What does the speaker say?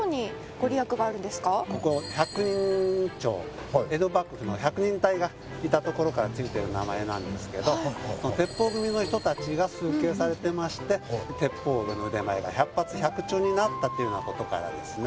ここ百人町江戸幕府の百人隊がいたところからついてる名前なんですけどその鉄炮組の人たちが崇敬されてまして鉄炮の腕前が百発百中になったということからですね